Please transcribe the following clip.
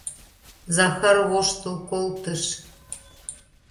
— Захар воштыл колтыш.